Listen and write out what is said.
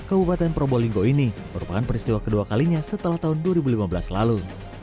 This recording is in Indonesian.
kabupaten probolinggo ini merupakan peristiwa kedua kalinya setelah tahun dua ribu lima belas lalu